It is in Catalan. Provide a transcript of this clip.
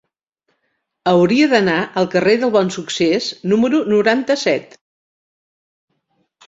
Hauria d'anar al carrer del Bonsuccés número noranta-set.